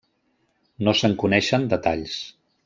No se'n coneixen detalls.